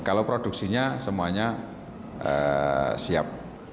kalau produksinya semuanya siap